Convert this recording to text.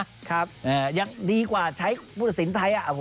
ดีกว่าแรกมากกว่าใช้ภูตสินไทย